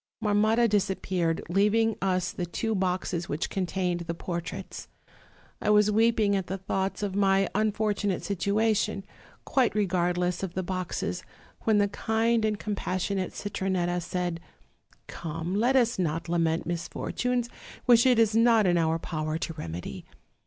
"Marmotta disappeared, leaving us the two boxes which contained the portraits. I was weeping at the thoughts of my unfortunate situation, quite regardless of the boxes, when the kind and compassionate Citronetta said: 'Come, let us not lament misfortunes which it is not in our power to remedy.